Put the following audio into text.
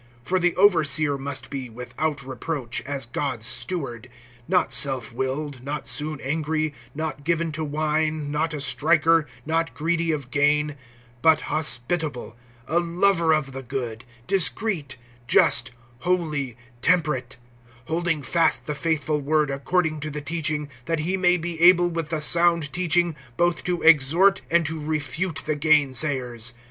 (7)For the overseer[1:7] must be, without reproach, as God's steward; not self willed, not soon angry, not given to wine, not a striker, not greedy of gain; (8)but hospitable, a lover of the good, discreet, just, holy, temperate; (9)holding fast the faithful word according to the teaching, that he may be able with the sound teaching both to exhort, and to refute the gainsayers.